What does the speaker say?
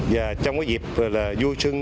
và trong cái dịp bà con đi đại an toàn